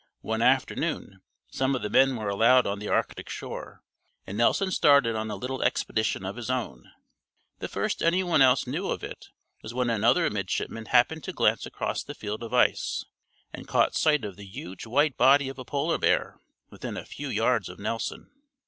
One afternoon some of the men were allowed on the arctic shore, and Nelson started on a little expedition of his own. The first any one else knew of it was when another midshipman happened to glance across the field of ice, and caught sight of the huge white body of a polar bear within a few yards of Nelson.